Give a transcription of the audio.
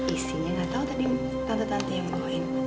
isinya nggak tahu tadi tante tante yang bawain